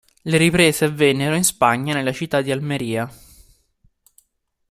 Le riprese avvennero in Spagna nella città di Almería.